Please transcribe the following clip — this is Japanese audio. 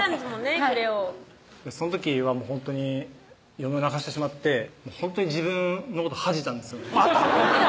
エクレアをその時はほんとに嫁を泣かしてしまってほんとに自分のこと恥じたんですまた？